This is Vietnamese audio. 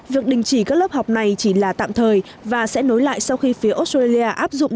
việc đình chỉ các lớp học này chỉ là tạm thời và sẽ nối lại sau khi phía australia áp dụng